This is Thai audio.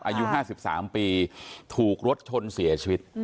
อายุ๕๓ปีถูกรถชนเสียชีวิต